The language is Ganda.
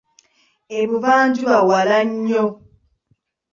E'buvanjuba walannyo.